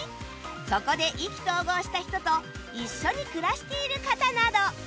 そこで意気投合した人と一緒に暮らしている方など